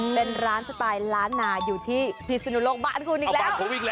เป็นร้านสไตล์ล้านนาอยู่ที่พิศนุโลกบ้านคุณอีกแล้ว